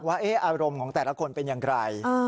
ว่าอารมณ์ของแต่ละคนเป็นอย่างไร